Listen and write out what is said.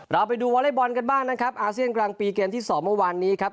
เราไปดูวอเล็กบอลกันบ้างนะครับอาเซียนกลางปีเกมที่สองเมื่อวานนี้ครับ